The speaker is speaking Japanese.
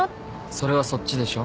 それはそっちでしょ？